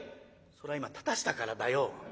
「それは今立たしたからだよ」。